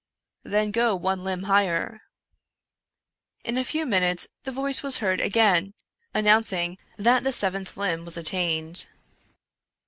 " Then go one limb higher." In a few minutes the voice was heard again, announcing that the seventh limb was attained.